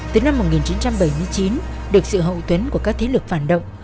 từ năm một nghìn chín trăm bảy mươi chín được sự hậu tuyến của các thế lực phản động